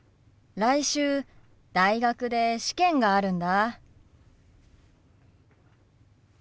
来週大学で試験があるんだ。